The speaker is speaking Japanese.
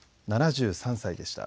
７３歳でした。